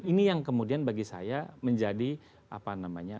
ini yang kemudian bagi saya menjadi apa namanya